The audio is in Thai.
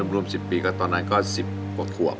รวม๑๐ปีก็ตอนนั้นก็๑๐กว่าขวบ